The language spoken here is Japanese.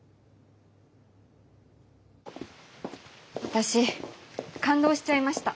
私感動しちゃいました。